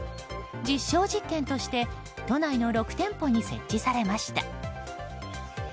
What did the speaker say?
実証実験として都内の６店舗に設置されました。